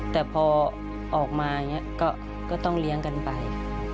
แต่พอออกมาก็ต้องเลี้ยงกันไป